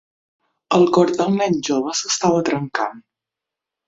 El cor del nen jove s'estava trencant.